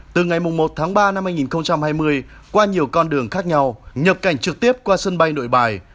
từ ngày một tháng ba năm hai nghìn hai mươi qua nhiều con đường khác nhau nhập cảnh trực tiếp qua sân bay nội bài